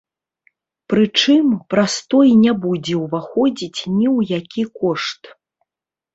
Прычым, прастой не будзе ўваходзіць ні ў які кошт.